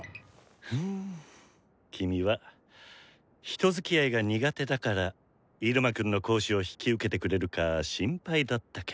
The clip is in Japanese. フゥ君は人づきあいが苦手だから入間くんの講師を引き受けてくれるか心配だったけど。